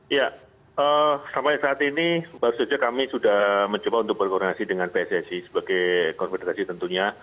ya sampai saat ini baru saja kami sudah mencoba untuk berkoordinasi dengan pssi sebagai konfederasi tentunya